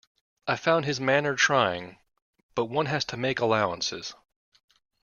I found his manner trying, but one has to make allowances.